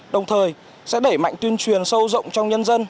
đồng thời sẽ đẩy mạnh tuyên truyền sâu rộng trong nhân dân